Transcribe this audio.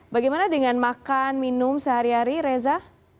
bagaimana dengan makan minum sehari hari reza